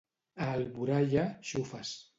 A Alboraia, xufes.